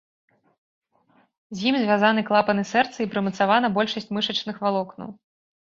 З ім звязаны клапаны сэрца і прымацавана большасць мышачных валокнаў.